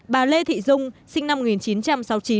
bà lê thị dung sinh năm một nghìn chín trăm sáu mươi chín